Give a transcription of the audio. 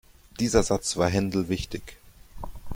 Dieser Satz war Händel wichtig.